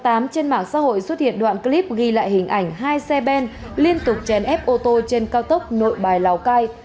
trên mạng xã hội xuất hiện đoạn clip ghi lại hình ảnh hai xe ben liên tục chèn ép ô tô trên cao tốc nội bài lào cai